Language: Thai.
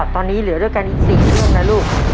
ตอนนี้เหลือด้วยกันอีก๔เรื่องนะลูก